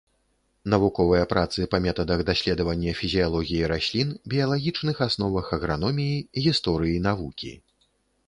Навуковыя працы па метадах даследавання фізіялогіі раслін, біялагічных асновах аграноміі, гісторыі навукі.